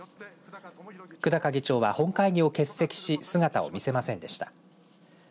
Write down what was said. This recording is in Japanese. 久高議長は本会議を欠席し姿を見せませんでした。